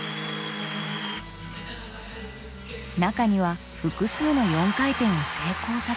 中には複数の４回転を成功させる選手も。